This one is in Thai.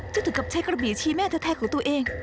จะถึงกับใช้กระบี่ชี้แม่แท้ของตัวเอง